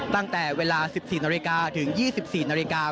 ตั้งแต่เวลา๑๔นาฬิกาถึง๒๔นาฬิกา